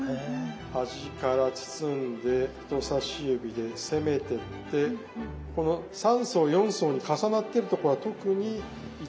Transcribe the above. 端から包んで人さし指で攻めてってこの３層４層に重なってるとこは特に１枚分の厚さにする。